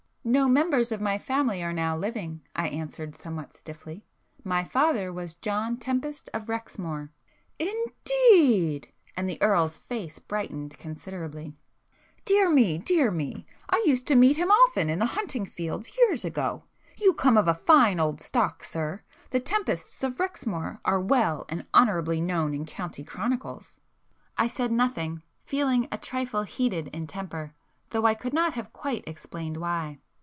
"No members of my family are now living,"—I answered somewhat stiffly—"My father was John Tempest of Rexmoor." "Indeed!" and the Earl's face brightened considerably—"Dear me, dear me! I used to meet him often in the hunting field years ago. You come of a fine old stock, sir!—the Tempests of Rexmoor are well and honourably known in county chronicles." I said nothing, feeling a trifle heated in temper, though I could not have quite explained why.